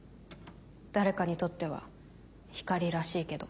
誰かにとっては光らしいけど。